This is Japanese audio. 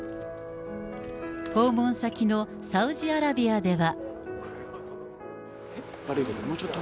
訪問先のサウジアラビアでは。